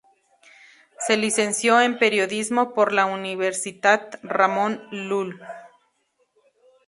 Se licenció en Periodismo por la Universitat Ramon Llull.